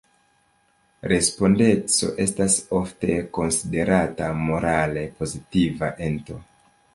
Respondeco estas ofte konsiderata morale pozitiva ento.